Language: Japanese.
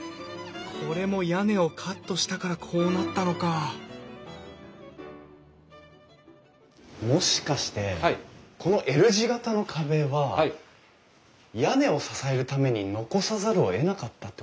これも屋根をカットしたからこうなったのかもしかしてこのＬ字形の壁は屋根を支えるために残さざるをえなかったってことなんですか？